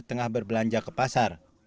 tengah berbelanja ke pasar